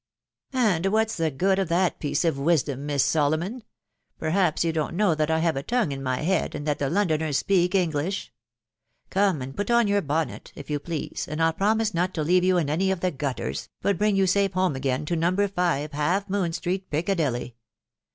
" And what's the good of that piece of wisdom, Miss Solo mon ? Perhaps you don't know that I have a tongue in my head, and that the Londoners speak English ?•.•• Come and put on your bonnet, if you please, and I'll promise not to leave you in any of the gutters, but bring you safe home again to No. 5. Half Moon Street, Piccadilly.